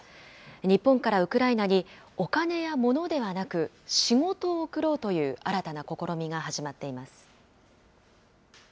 日本からウクライナに、お金やモノではなく、仕事を送ろうという新たな試みが始まっています。